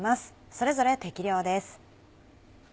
それぞれ適量です。